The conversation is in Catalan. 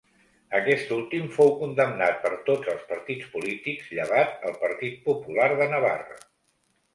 Aquest últim fou condemnat per tots els partits polítics llevat el Partit Popular de Navarra.